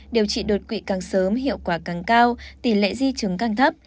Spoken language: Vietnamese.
điều trị đột quỵ càng sớm hiệu quả càng cao tỷ lệ di chứng càng thấp